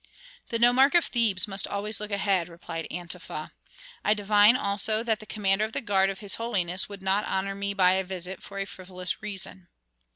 "The nomarch of Thebes must always look ahead," replied Antefa. "I divine also that the commander of the guard of his holiness would not honor me by a visit for a frivolous reason."